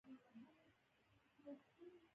یوازې یوه ستونزه وه.